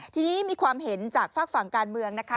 ทีนี้มีความเห็นจากฝากฝั่งการเมืองนะคะ